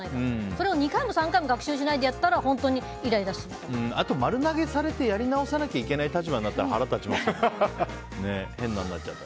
それを２回も３回も学習しないでやったらあと、丸投げされてやり直さなきゃいけない立場になったら、腹立ちますよね。